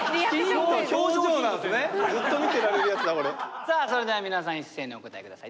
さあそれでは皆さん一斉にお答え下さい。